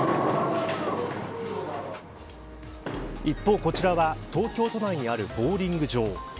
一方、こちらは東京都内にあるボウリング場。